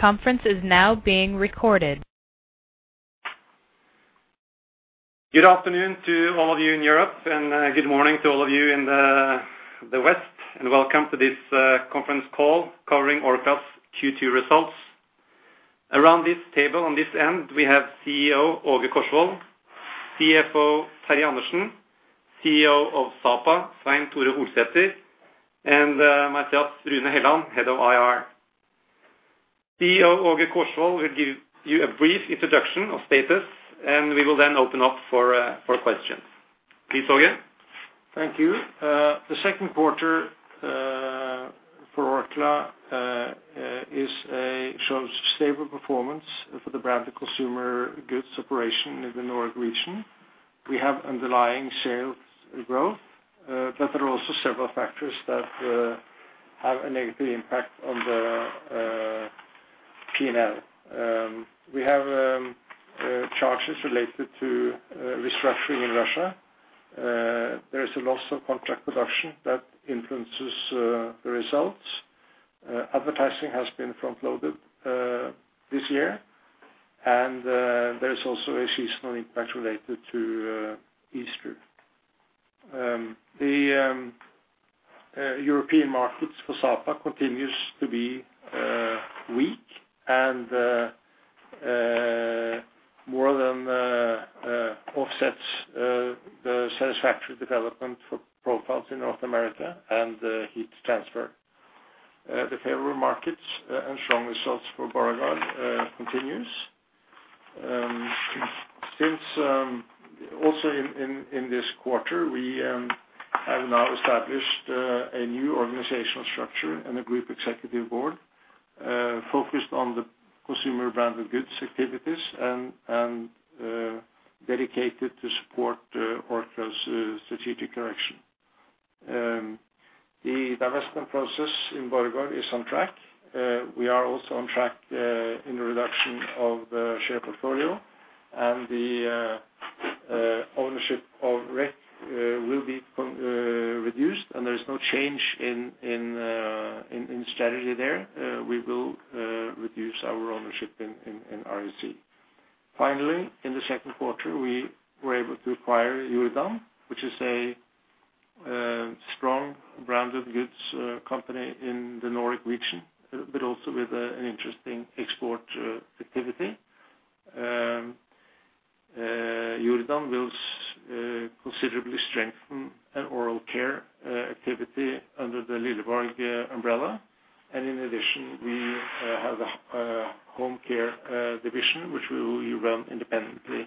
Good afternoon to all of you in Europe, and good morning to all of you in the West, and welcome to this conference call covering Orkla's Q2 results. Around this table on this end, we have CEO, Åge Korsvold, CFO, Terje Andersen, CEO of Sapa, Svein Tore Holsether, and myself, Rune Helland, Head of IR. CEO Åge Korsvold will give you a brief introduction of status, and we will then open up for questions. Please, Åge. Thank you. The second quarter for Orkla shows stable performance for the branded consumer goods operation in the Nordic region. We have underlying sales growth, but there are also several factors that have a negative impact on the P&L. We have charges related to restructuring in Russia. There is a loss of contract production that influences the results. Advertising has been front-loaded this year, and there is also a seasonal impact related to Easter. The European markets for Sapa continues to be weak and more than offsets the satisfactory development for profiles in North America and the heat transfer. The favorable markets and strong results for Borregaard continues. Since also in this quarter, we have now established a new organizational structure and a group executive board, focused on the consumer branded goods activities and dedicated to support Orkla's strategic direction. The divestment process in Borregaard is on track. We are also on track in the reduction of the share portfolio, and the ownership of REC will be reduced, and there is no change in strategy there. We will reduce our ownership in REC. Finally, in the second quarter, we were able to acquire Jordan, which is a strong branded goods company in the Nordic region, but also with an interesting export activity. Jordan will considerably strengthen an oral care activity under the Lilleborg umbrella. In addition, we have a home care division, which we will run independently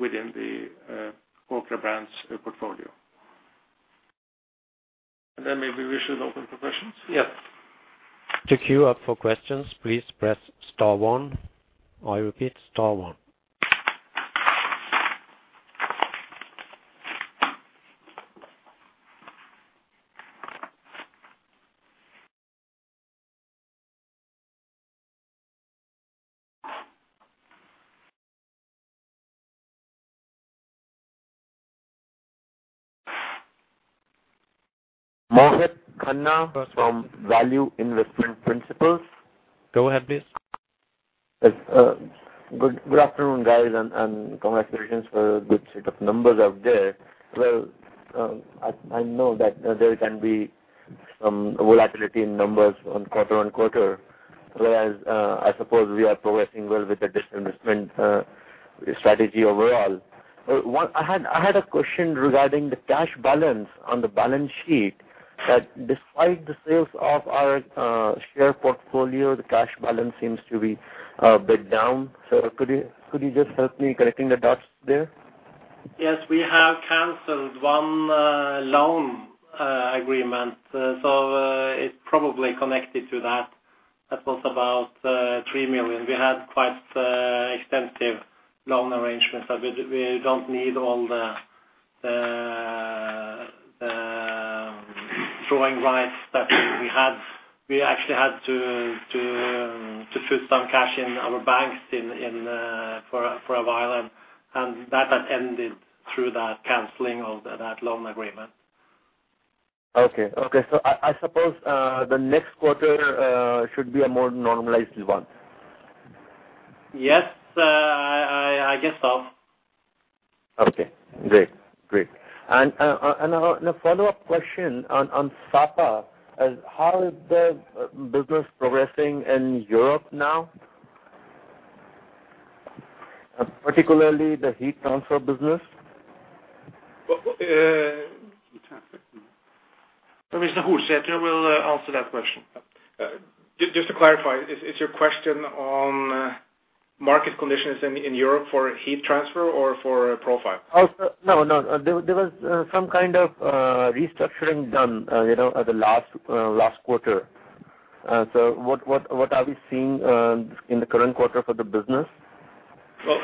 within the Orkla Brands portfolio. Then maybe we should open for questions? Yep. To queue up for questions, please press star one. I repeat, star one. Mohit Khanna from Value Investment Principles. Go ahead, please. Good, good afternoon, guys, and congratulations for the good set of numbers out there. Well, I know that there can be some volatility in numbers on quarter on quarter, whereas I suppose we are progressing well with the disinvestment strategy overall. I had a question regarding the cash balance on the balance sheet, that despite the sales of our share portfolio, the cash balance seems to be bit down. Could you just help me connecting the dots there? Yes, we have canceled one loan agreement. It's probably connected to that. That was about 3 million. We had quite extensive loan arrangements, but we don't need all the drawing rights that we had. We actually had to put some cash in our banks in for a while, and that has ended through that canceling of that loan agreement Okay. I suppose the next quarter should be a more normalized one? Yes, I guess so. Okay, great. Great. A follow-up question on Sapa, how is the business progressing in Europe now, particularly the heat transfer business? Mr. Holsether will answer that question. Just to clarify, is your question on market conditions in Europe for heat transfer or for profile? No. There was some kind of restructuring done, you know, at the last quarter. What are we seeing in the current quarter for the business? Well,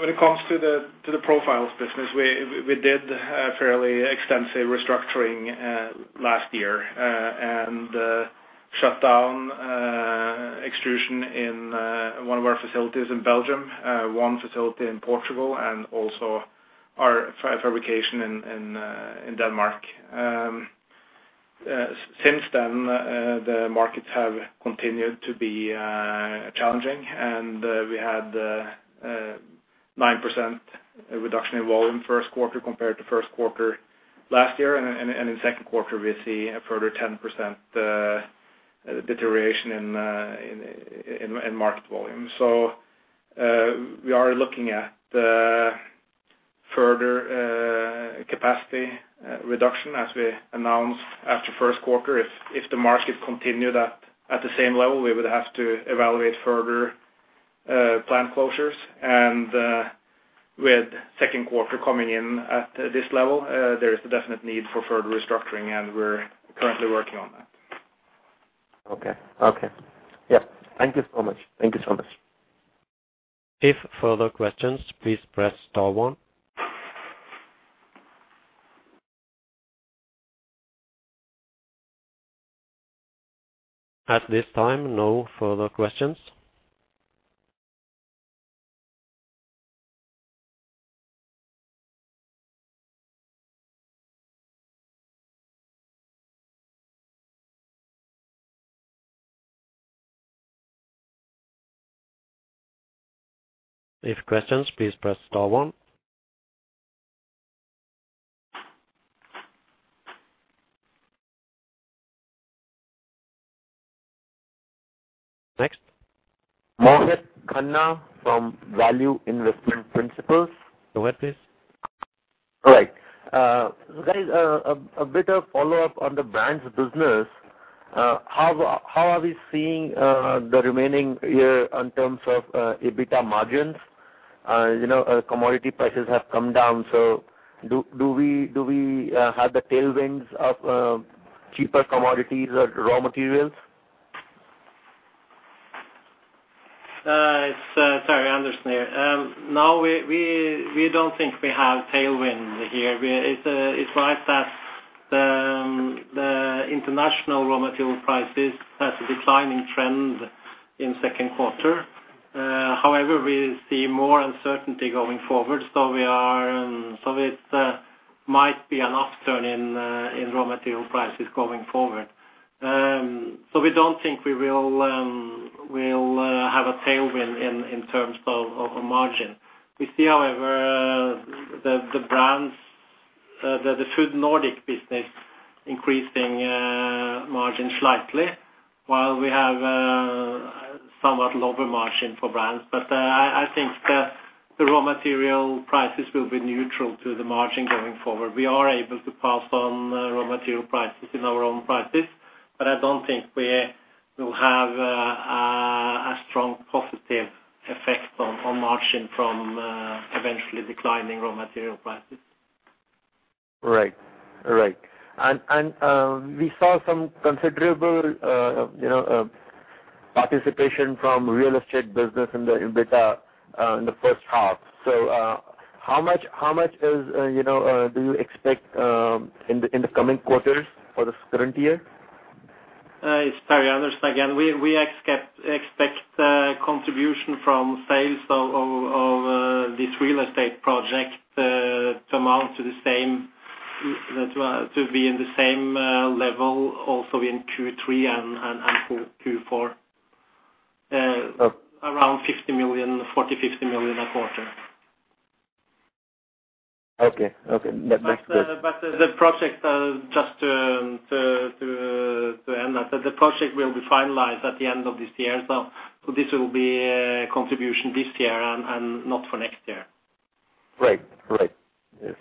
when it comes to the profiles business, we did a fairly extensive restructuring, last year shut down extrusion in one of our facilities in Belgium, one facility in Portugal, and also our fabrication in Denmark. Since then, the markets have continued to be challenging, and we had a 9% reduction in volume first quarter compared to first quarter last year. In second quarter, we see a further 10% deterioration in market volume. We are looking at further capacity reduction, as we announced after first quarter. If the market continued at the same level, we would have to evaluate further plant closures. With second quarter coming in at this level, there is a definite need for further restructuring, and we're currently working on that. Okay. Okay. Yep, thank you so much. Thank you so much. If further questions, please press star one. At this time, no further questions. If questions, please press star one. Next? Mohit Khanna from Value Investment Principles. Go ahead, please. All right. Guys, a bit of follow-up on the brands business. How are we seeing the remaining year in terms of EBITDA margins? You know, commodity prices have come down, do we have the tailwinds of cheaper commodities or raw materials? It's Terje Andersen here. We don't think we have tailwind here. It's right that the international raw material prices has a declining trend in Q2. We see more uncertainty going forward. It might be an upturn in raw material prices going forward. We don't think we will have a tailwind in terms of a margin. We see, however, the brands, the Orkla Foods Nordic business increasing margin slightly, while we have somewhat lower margin for brands. I think the raw material prices will be neutral to the margin going forward. We are able to pass on raw material prices in our own prices, but I don't think we will have a strong positive effect on margin from eventually declining raw material prices. Right. Right. We saw some considerable, you know, participation from real estate business in the EBITDA, in the first half. How much is, you know, do you expect in the coming quarters for this current year? It's Terje Andersen again. We expect contribution from sales of this real estate project, to amount to the same, to be in the same level also in Q3 and Q4. Okay. Around 50 million, 40, 50 million a quarter. Okay. Okay. That, that's good. The project, just to end that, the project will be finalized at the end of this year. This will be a contribution this year and not for next year. Right. Right. Yes.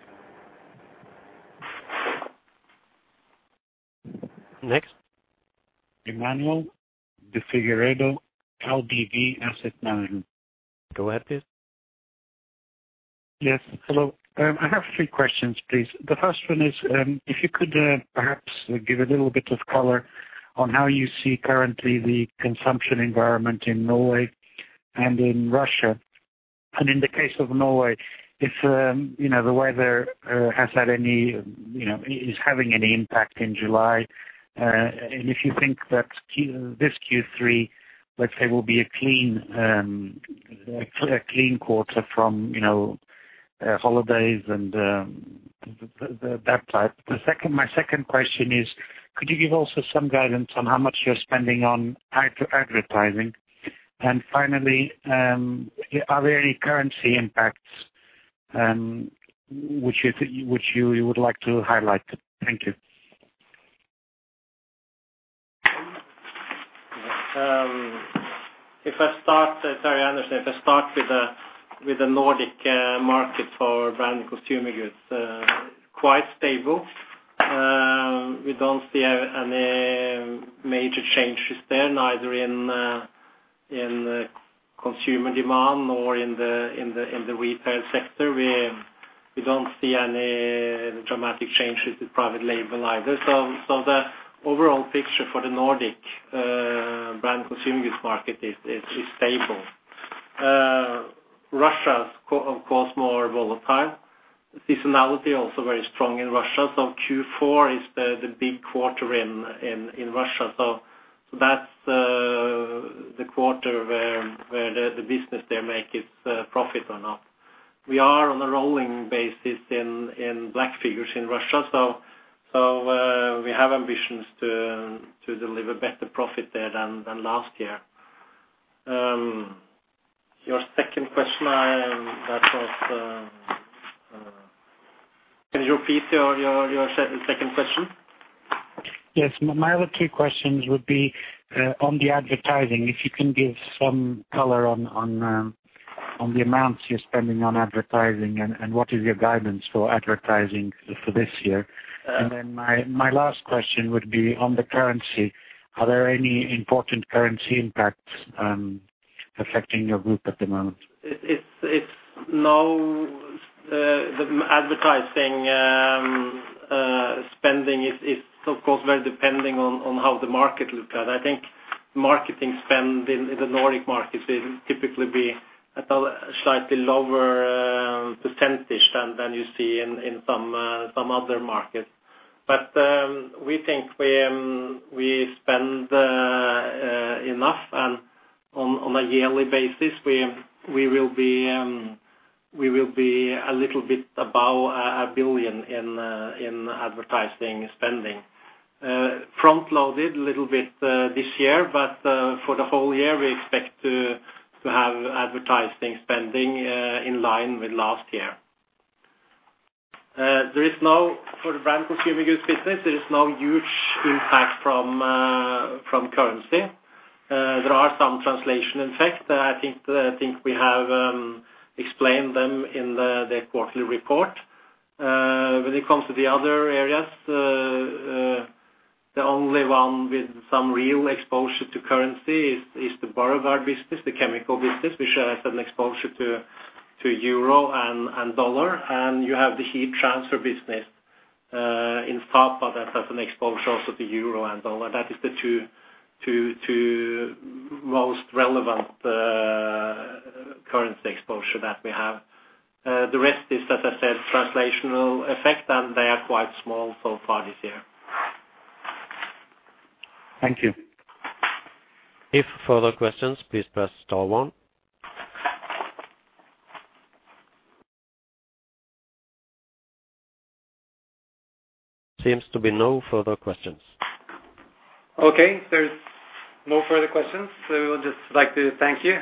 Next? Emmanuel De Figueiredo, LBV Asset Management. Go ahead, please. Yes, hello. I have three questions, please. The first one is, if you could perhaps give a little bit of color on how you see currently the consumption environment in Norway and in Russia. In the case of Norway, if, you know, the weather has had any, you know, is having any impact in July, and if you think that this Q3, let's say, will be a clean, a clean quarter from, you know, holidays and that type? My second question is, could you give also some guidance on how much you're spending on advertising? Finally, are there any currency impacts which you would like to highlight? Thank you. If I start, as Terje Andersen, if I start with the Nordic market for brand consumer goods, quite stable. We don't see any major changes there, neither in consumer demand or in the retail sector. We don't see any dramatic changes to private label either. The overall picture for the Nordic brand consuming this market is stable. Russia's of course, more volatile. Seasonality also very strong in Russia. Q4 is the big quarter in Russia. That's the quarter where the business there make its profit or not. We are on a rolling basis in black figures in Russia. We have ambitions to deliver better profit there than last year. Your second question. That was, can you repeat your second question? Yes. My other two questions would be on the advertising, if you can give some color on the amounts you're spending on advertising and what is your guidance for advertising for this year? My last question would be on the currency. Are there any important currency impacts affecting your group at the moment? It's now, the advertising spending is of course, very depending on how the market look at. I think marketing spend in the Nordic Markets will typically be at a slightly lower percentage than you see in some other markets. We think we spend enough, and on a yearly basis, we will be a little bit above 1 billion in advertising spending. Front-loaded a little bit this year, but for the whole year, we expect to have advertising spending in line with last year. For the brand consuming goods business, there is no huge impact from currency. There are some translation, in fact, I think we have explained them in the quarterly report. When it comes to the other areas, the only one with some real exposure to currency is the Borregaard business, the chemical business, which has an exposure to euro and dollar. You have the heat transfer business in Sapa, that has an exposure also to euro and dollar. That is the two most relevant currency exposure that we have. The rest is, as I said, translational effect, and they are quite small so far this year. Thank you. If further questions, please press star one. Seems to be no further questions. Okay, there's no further questions, so we would just like to thank you.